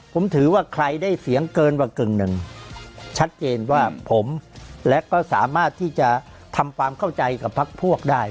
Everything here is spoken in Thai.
ผมถือว่าใครได้เสียงเกินกว่ากึ่งหนึ่งชัดเจนว่าผมและก็สามารถที่จะทำความเข้าใจกับพักพวกได้